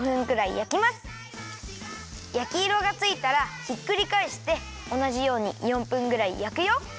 やきいろがついたらひっくりかえしておなじように４分ぐらいやくよ。